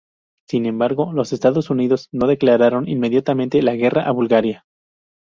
Sin embargo, los Estados Unidos no declararon inmediatamente la guerra a Bulgaria.